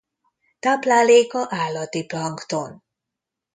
Tápláléka állati plankton.